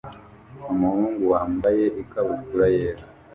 umuhungu wambaye ikabutura yera